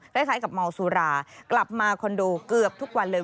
คล้ายกับเมาสุรากลับมาคอนโดเกือบทุกวันเลย